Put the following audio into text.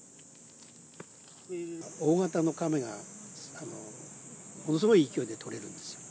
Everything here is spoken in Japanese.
大型のカメがものすごい勢いで取れるんですよ。